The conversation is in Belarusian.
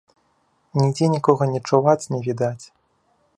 Нідзе нікога не чуваць, не відаць.